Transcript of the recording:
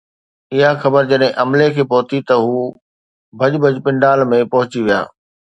اها خبر جڏهن عملي کي پهتي ته هو ڀڄ ڀڄ پنڊال ۾ پهچي ويا